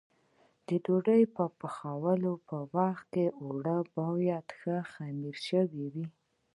د دې ډوډۍ پخولو په وخت کې اوړه باید ښه خمېره شوي وي.